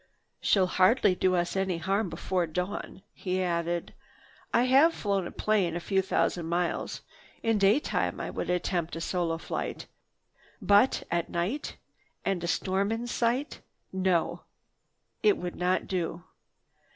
"She'll hardly do us harm before dawn," he added. "I have flown a plane a few thousand miles. In daytime I would attempt a solo flight, but at night, and a storm in sight? No, it would not do."